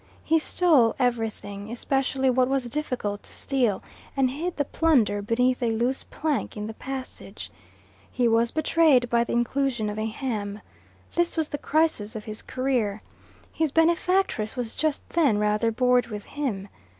He stole everything, especially what was difficult to steal, and hid the plunder beneath a loose plank in the passage. He was betrayed by the inclusion of a ham. This was the crisis of his career. His benefactress was just then rather bored with him.